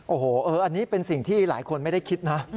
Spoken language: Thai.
โอ้โหอันนี้เป็นสิ่งที่หลายคนไม่ได้คิดนะ